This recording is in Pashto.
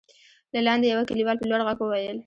له لاندې يوه کليوال په لوړ غږ وويل: